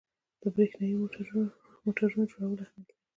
د برېښنايي موټورونو جوړول اهمیت لري.